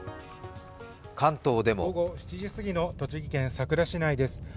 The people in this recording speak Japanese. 関東でも午後７時すぎの栃木県さくら市内です。